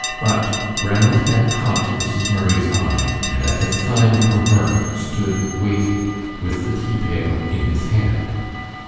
But Ranald had caught Mrs. Murray's eye, and at a sign from her, stood waiting with the tea pail in his hand.